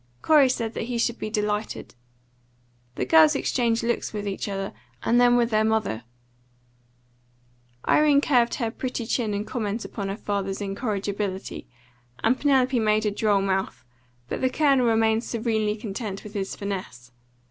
Corey said that he should be delighted. The girls exchanged looks with each other, and then with their mother. Irene curved her pretty chin in comment upon her father's incorrigibility, and Penelope made a droll mouth, but the Colonel remained serenely content with his finesse.